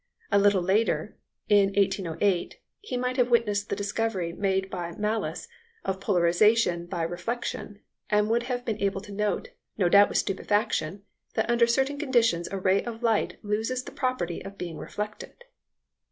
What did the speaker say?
A little later in 1808 he might have witnessed the discovery made by Malus of polarization by reflexion, and would have been able to note, no doubt with stupefaction, that under certain conditions a ray of light loses the property of being reflected.